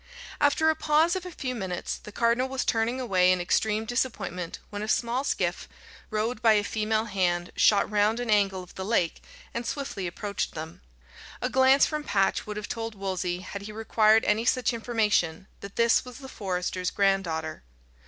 After a pause of a few minutes, the cardinal was turning away in extreme disappointment, when a small skiff, rowed by a female hand, shot round an angle of the lake and swiftly approached them. A glance from Patch would have told Wolsey, had he required any such information, that this was the forester's granddaughter.